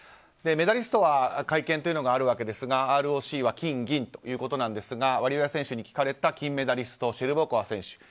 メダリストは会見というのがあるわけですがＲＯＣは金銀ということですがワリエワ選手について聞かれた金メダリストシェルバコワ選手。